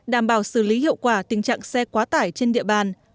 đảm bảo xử lý hiệu quả tình trạng xe quá tải trên địa bàn